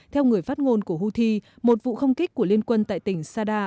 theo người phát ngôn của houthi một vụ không kích của liên quân tại tỉnh sada